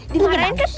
di bagian kan